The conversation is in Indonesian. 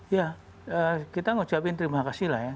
iya kita mengucapkan terima kasih lah ya